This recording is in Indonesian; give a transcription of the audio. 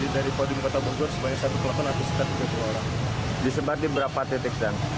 di sebat di berapa titik dan